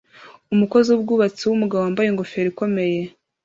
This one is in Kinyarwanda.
Umukozi wubwubatsi wumugabo wambaye ingofero ikomeye